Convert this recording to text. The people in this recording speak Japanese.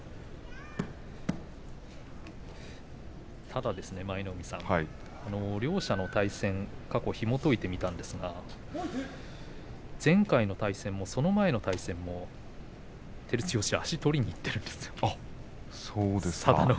ただ舞の海さん両者の対戦過去ひもといてみましたが前回の対戦もその前の対戦も照強、足取りにいってるんですよ。